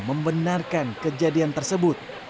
membenarkan kejadian tersebut